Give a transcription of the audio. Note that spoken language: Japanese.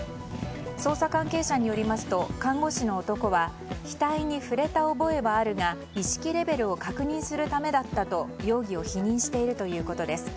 捜査関係者によりますと看護師の男は額に触れた覚えはあるが意識レベルを確認するためだったと容疑を否認しているということです。